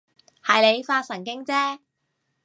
係你發神經啫